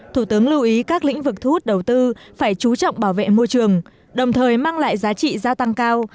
thủ tướng lưu ý các lĩnh vực thu hút đầu tư phải chú trọng bảo vệ môi trường đồng thời mang lại giá trị gia tăng cao